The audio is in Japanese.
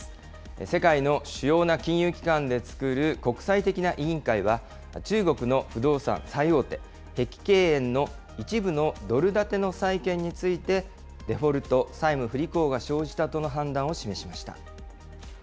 世界の主要な金融機関で作る国際的な委員会は、中国の不動産最大手、碧桂園の一部のドル建ての債券について、デフォルト・債務不履行が生じたとの判断を示しました。